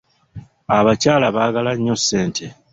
Abakyala baagala nnyo ssente.